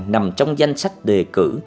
nằm trong danh sách đề cử